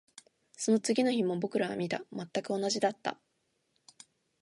その次の日も僕らは見た。全く同じだった。